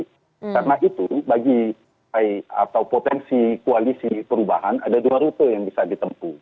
karena itu bagi potensi koalisi perubahan ada dua rute yang bisa ditempu